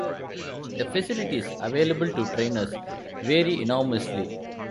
The facilities available to trainers vary enormously.